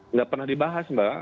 nggak pernah dibahas mbak